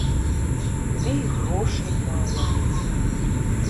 Ды і грошай мала.